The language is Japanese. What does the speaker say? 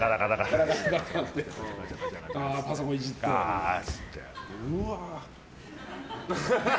パソコンいじって？